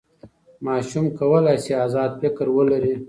ماشوم کولی سي ازاد فکر ولري.